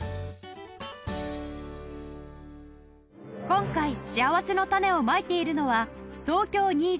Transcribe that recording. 今回しあわせのたねをまいているのは東京２０２０